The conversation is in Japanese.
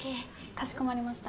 かしこまりました。